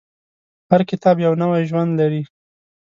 هر کتاب یو نوی ژوند لري.